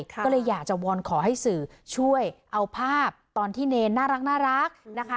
ก็เลยอยากจะวอนขอให้สื่อช่วยเอาภาพตอนที่เนรน่ารักนะคะ